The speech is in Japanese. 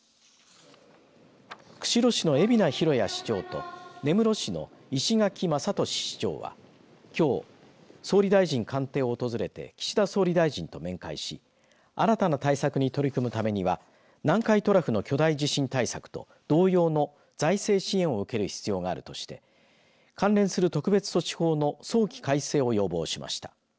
釧路市の蝦名大也市長と根室市の石垣雅敏市長はきょう、総理大臣官邸を訪れて岸田総理大臣と面会し新たな対策に取り組むためには南海トラフ巨大地震対策と同様の財政支援を受ける必要があるとして関連する特別措置法の早期改正を要望しました。